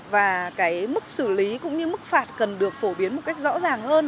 và cái mức xử lý cũng như mức phạt cần được phổ biến một cách rõ ràng hơn